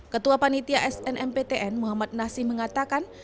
ketua panitia snmptn muhammad nasi mengatakan